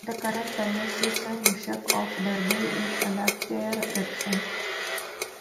The current diocesan bishop of Derby is Alastair Redfern.